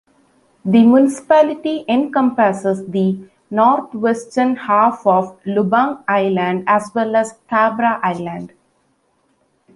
The municipality encompasses the north-western half of Lubang Island, as well as Cabra Island.